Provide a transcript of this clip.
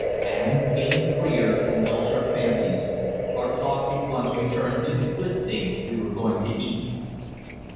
And, feeling freer to indulge our fancies, our talk at once returned to the good things we were going to eat.